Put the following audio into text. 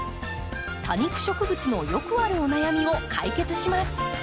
多肉植物のよくあるお悩みを解決します。